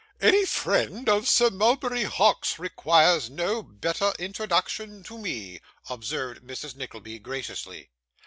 'Any friend of Sir Mulberry Hawk's requires no better introduction to me,' observed Mrs. Nickleby, graciously.